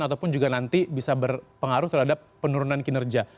ataupun juga nanti bisa berpengaruh terhadap penurunan kinerja